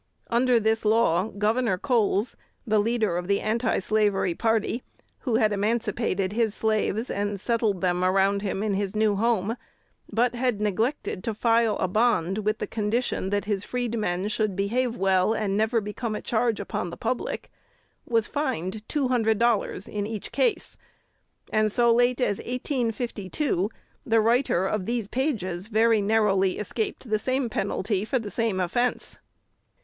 Under this law Gov. Coles, the leader of the antislavery party, who had emancipated his slaves, and settled them around him in his new home, but had neglected to file a bond with the condition that his freedmen should behave well and never become a charge upon the public, was fined two hundred dollars in each case; and, so late as 1852, the writer of these pages very narrowly escaped the same penalty for the same offence.